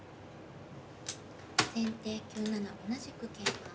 先手９七同じく桂馬。